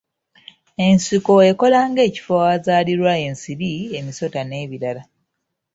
Ensiko ekola ng'ekifo awazaalirwa ensiri, emisota, n'ebirala.